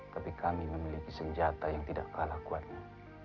tapi kami memiliki senjata yang tidak kalah kuatnya